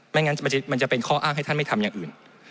งั้นมันจะเป็นข้ออ้างให้ท่านไม่ทำอย่างอื่น